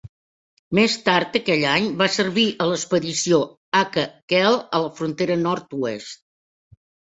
Més tard aquell any, va servir a l'expedició Aka Khel a la frontera nord-oest.